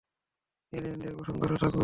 অ্যালিয়েনদের প্রসঙ্গটা থাকুক!